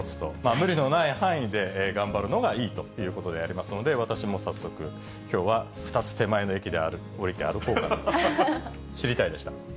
無理のない範囲で頑張るのがいいということでありますので、私も早速、きょうは２つ手前の駅で降りて歩こうかな。